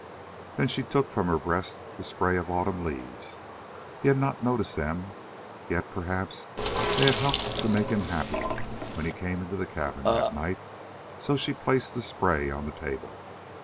Then she took from her breast the spray of autumn leaves. He had not noticed them, yet perhaps they had helped to make him happy when he came into the cabin that night, so she placed the spray on the table.